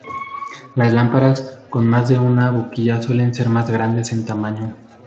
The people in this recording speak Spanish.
Las lámparas con más de una boquilla suelen ser más grandes en tamaño.